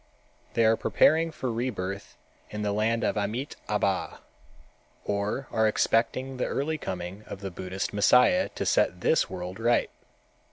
They are preparing for rebirth in the land of Amitâbha, or are expecting the early coming of the Buddhist Messiah to set this world right.